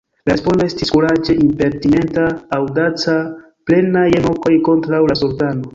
La respondo estis kuraĝe impertinenta, aŭdaca, plena je mokoj kontraŭ la sultano.